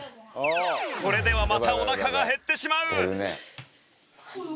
これではまたおなかが減ってしまう！